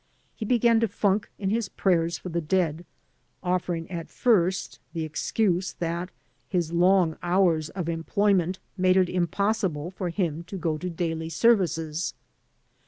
He began to funk in his prayers for the dead, offering at first the excuse that his long hours of employment made it impossible for him to go to daily services.